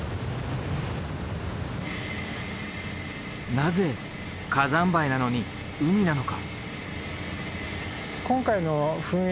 なぜ火山灰なのに海なのか？